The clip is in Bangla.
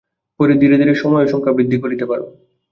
পরে ধীরে ধীরে সময় ও সংখ্যা বৃদ্ধি করিতে পার।